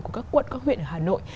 của các quận các huyện ở hà nội